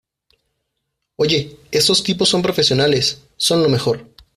Oye, estos tipos son profesionales. Son lo mejor .